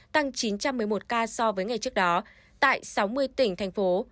tăng chín trăm một mươi một ca so với ngày trước đó tại sáu mươi tỉnh thành phố